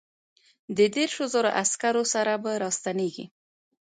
د دیرشو زرو عسکرو سره به را ستنېږي.